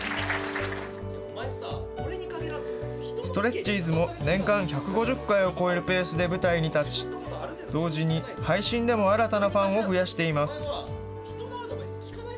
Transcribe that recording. ストレッチーズも年間１５０回を超えるペースで舞台に立ち、同時に、配信でも新たなファンを増やしています。